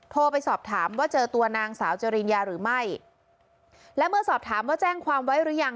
โทรไปสอบถามว่าเจอตัวนางสาวจริญญาหรือไม่และเมื่อสอบถามว่าแจ้งความไว้หรือยัง